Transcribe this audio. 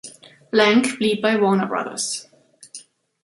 Blanke blieb bei Warner Bros.